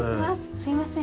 すいません